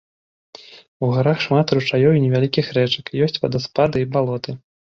У гарах шмат ручаёў і невялікіх рэчак, ёсць вадаспады і балоты.